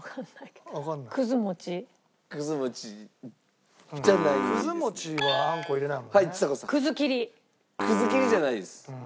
くず切りじゃないです。